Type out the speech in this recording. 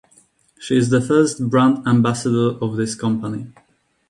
She is the first brand ambassador of this company.